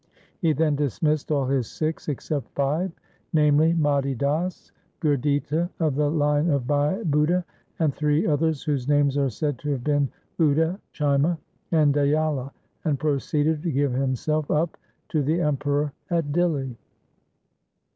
He then dismissed all his Sikhs except five, namely, Mati Das, 374 THE SIKH RELIGION Gurditta of the line of Bhai Budha, and three others whose names are said to have been Uda, Chima, and Dayala, and proceeded to give himself up to the Emperor at Dihli.